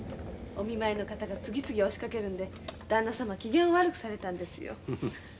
お見舞いの方が次々押しかけるんでだんな様機嫌を悪くされたんですよ。